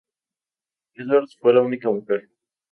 Edwards fue la única mujer.